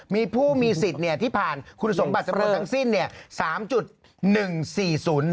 มีผู้มีสิทธิ์ที่ผ่านคุณสมบัติสำนวนทั้งสิ้น